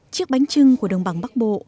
chiếc bánh trưng của đồng bằng bắc bộ